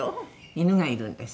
「犬がいるんです」